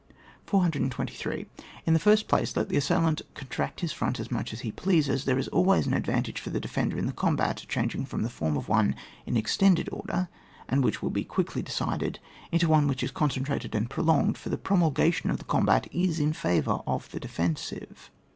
423. In the first place, let the assailant contract his front as much as he pleases, there is always an advantage for the defender in the combat changing from the form of one in extended order and which will be quickly decided into one which is concentrated and prolonged, for the prolongation of the combat is in favour of the defensive.